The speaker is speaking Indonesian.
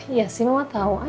iya sih mama tau